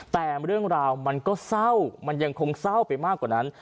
แต่เรื่องราวมันก็เศร้ามันยังคงเศร้าไปมากกว่านั้น